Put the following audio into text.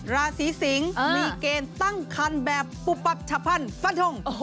ราศีสิงศ์มีเกณฑ์ตั้งคันแบบปุปัชพันธ์ฟันทง